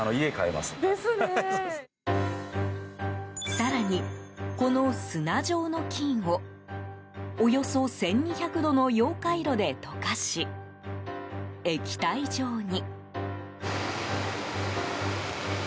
更に、この砂状の金をおよそ１２００度の熔解炉で溶かし、液体状に。